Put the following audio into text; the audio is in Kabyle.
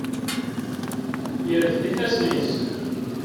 Yerfed ifassen-is.